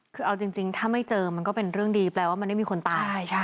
คือเอาจริงถ้าไม่เจอมันก็เป็นเรื่องดีแปลว่ามันไม่มีคนตาย